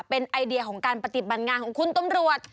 เป็นไอเดียของการปฏิบัติงานของคุณตำรวจ